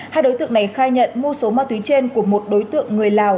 hai đối tượng này khai nhận mua số ma túy trên của một đối tượng người lào